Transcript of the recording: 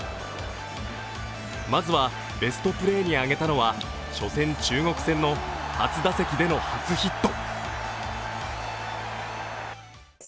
まずはベストプレーに挙げたのは初戦、中国戦の初打席での初ヒット。